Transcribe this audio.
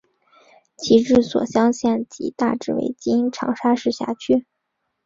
其治所湘县即大致为今长沙市辖区。